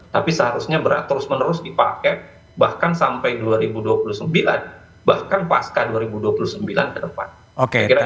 tapi seharusnya berat terus menerus dipakai bahkan sampai dua ribu dua puluh sembilan bahkan pasca dua ribu dua puluh sembilan ke depan